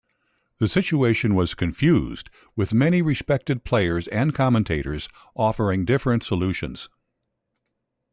The situation was confused, with many respected players and commentators offering different solutions.